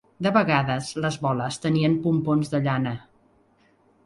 De vegades les boles tenien pompons de llana.